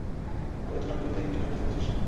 আমি ভেবেছিলাম তুই, টিনার কথা বলছিস।